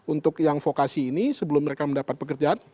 untuk yang vokasi ini sebelum mereka mendapat pekerjaan